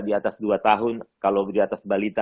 di atas dua tahun kalau di atas balita